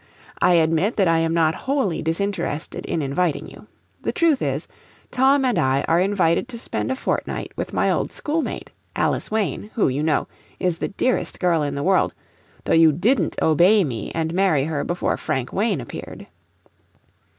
I admit that I am not wholly disinterested in inviting you. The truth is, Tom and I are invited to spend a fortnight with my old schoolmate, Alice Wayne, who, you know, is the dearest girl in the world, though you DIDN'T obey me and marry her before Frank Wayne appeared.